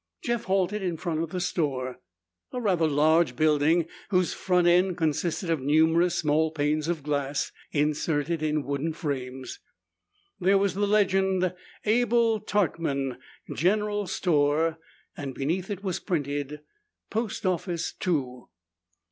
Jeff halted in front of the store, a rather large building whose front end consisted of numerous small panes of glass inserted in wooden frames. There was the legend "Abel Tarkman, General Store," and beneath it was printed, "Post Office Too."